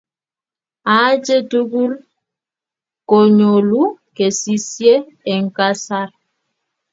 Achee tugul konyolu kesisye eng kasar.